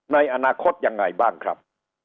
ในอนาคตยังไงบ้างครับ